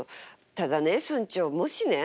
ただね村長もしね